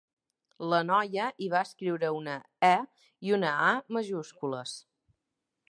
La noia hi va escriure una E i una A majúscules.